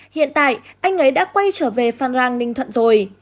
hiện tại anh ấy đã quay trở về phan rang ninh thuận rồi